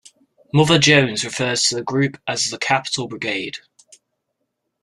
"Mother Jones" refers to the group as "The Capitol Brigade".